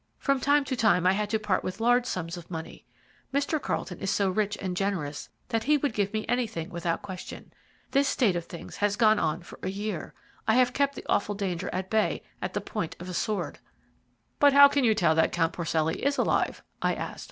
From time to time I had to part with large sums of money. Mr. Carlton is so rich and generous that he would give me anything without question. This state of things has gone on for a year. I have kept the awful danger at bay at the point of the sword." "But how can you tell that Count Porcelli is alive?" I asked.